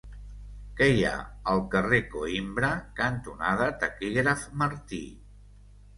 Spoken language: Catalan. Què hi ha al carrer Coïmbra cantonada Taquígraf Martí?